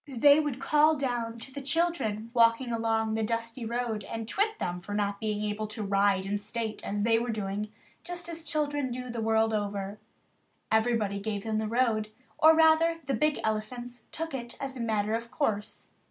They would call down to the children walking along the dusty road and twit them for not being able to ride in state as they were doing, just as children do the world over. Everybody gave them the road, or, rather, the big elephants took it as a matter of course.